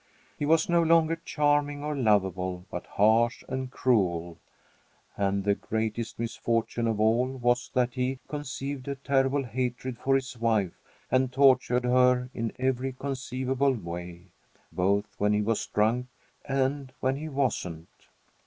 He was no longer charming or lovable, but harsh and cruel; and the greatest misfortune of all was that he conceived a terrible hatred for his wife and tortured her in every conceivable way, both when he was drunk and when he wasn't.